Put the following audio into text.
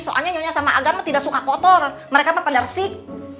soalnya nyonya sama agar tidak suka kotor mereka pada resik